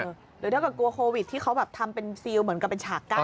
หรือถ้าเกิดกลัวโควิดที่เขาแบบทำเป็นซิลเหมือนกับเป็นฉากกั้น